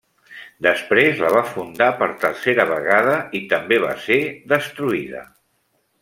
Després la va fundar per tercera vegada i també va ser destruïda.